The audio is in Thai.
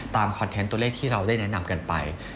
คอนเทนต์ตัวเลขที่เราได้แนะนำกันไป